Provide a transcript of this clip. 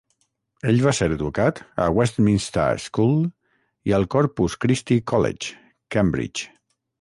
Ell va ser educat a Westminster School i al Corpus Christi College, Cambridge.